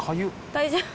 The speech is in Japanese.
大丈夫？